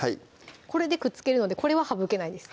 これでくっつけるのでこれは省けないです